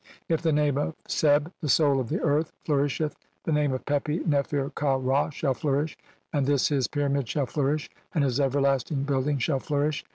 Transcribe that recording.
If the name of Seb, the soul of "the earth(?), flourisheth, the name of Pepi Nefer ka Ra "shall flourish, and this his pyramid shall flourish, and "his everlasting building shall flourish.